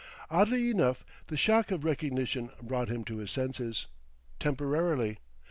Oddly enough, the shock of recognition brought him to his senses, temporarily.